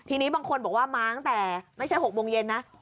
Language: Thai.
ทีนี้บางคนบอกว่ามาตั้งแต่ไม่ใช่๖โมงเย็นนะ